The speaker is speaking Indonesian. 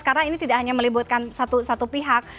karena ini tidak hanya melibatkan satu satu pihak